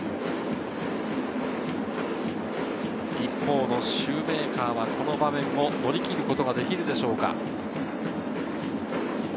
一方のシューメーカーは、この場面を乗り切ることができるでしょうか。